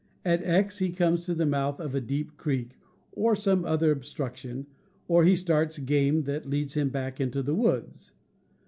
At X he comes to the mouth of a deep creek, or some other obstruc tion, or he starts game that leads him back into the woods.